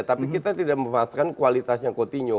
tapi kita tidak memanfaatkan kualitasnya coutinho